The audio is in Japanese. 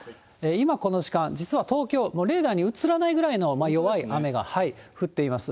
今、この時間、実は東京、レーダーに映らないぐらいの弱い雨が降っています。